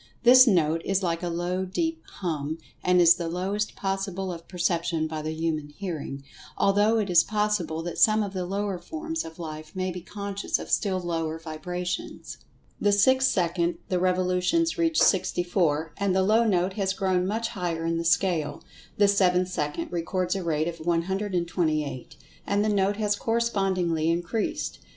This note is like a low, deep "hum," and is the lowest possible of perception by the human hearing, although it is pos[Pg 130]sible that some of the lower forms of life may be conscious of still lower vibrations. The sixth second the revolutions reach sixty four, and the low note has grown much higher in the scale. The seventh second records a rate of 128, and the note has correspondingly increased.